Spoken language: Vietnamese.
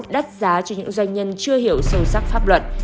đắt giá cho những doanh nhân chưa hiểu sâu sắc pháp luật